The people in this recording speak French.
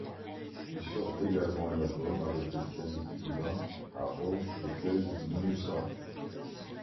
Il sort également un album avec le pianiste cubain Harold Lopez-Nussa.